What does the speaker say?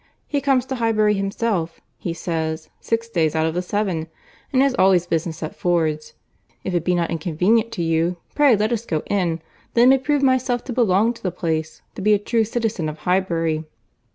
He comes to Highbury himself, he says, six days out of the seven, and has always business at Ford's. If it be not inconvenient to you, pray let us go in, that I may prove myself to belong to the place, to be a true citizen of Highbury.